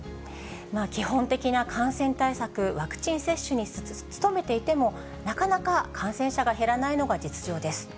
基本的な感染対策、ワクチン接種に努めていても、なかなか感染者が減らないのが実情です。